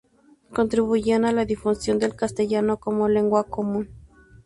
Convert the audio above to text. Contribuían a la difusión del castellano como lengua común.